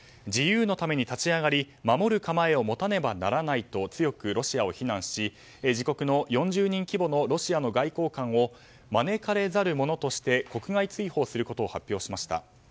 自由のために立ち上がり守る構えを持たねばならないと強くロシアを非難し自国の４０人規模のロシアの外交官を招かれざるものとして国外追放することを発表しました。